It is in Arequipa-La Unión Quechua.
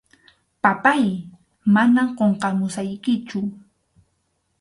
Papáy, manam qunqamusaykichu.